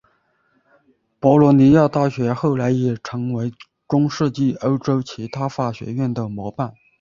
博洛尼亚大学后来也成为了中世纪欧洲其他法学院的模板。